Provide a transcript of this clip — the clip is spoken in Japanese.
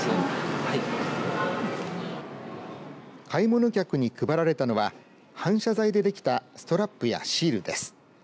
買い物客に配られたのは反射材で出来たストラップやシールです。